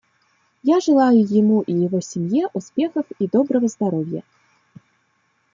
Я желаю ему и его семье успехов и доброго здоровья.